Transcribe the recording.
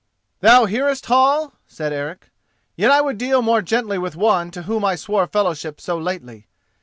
_" "Thou hearest, Hall?" said Eric. "Yet I would deal more gently with one to whom I swore fellowship so lately.